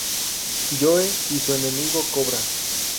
Joe y su enemigo Cobra.